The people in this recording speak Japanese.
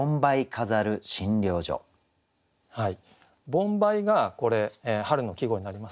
「盆梅」がこれ春の季語になりますね。